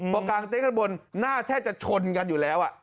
พอกางเต็กข้างบนหน้าแทบจะชนกันอยู่แล้ว